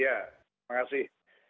ya terima kasih